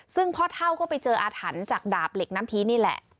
ซึ่งพ่อเท่าก็ไปเจออาถรรพ์จากดาบเหล็กน้ำพีนี่แหละ